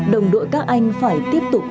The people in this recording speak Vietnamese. đồng đội các anh phải tiếp tục